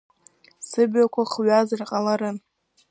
Сыблақәа хҩазар ҟаларын…